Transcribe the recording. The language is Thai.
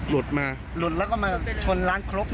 หลุดมาหลุดแล้วก็มาชนร้านครก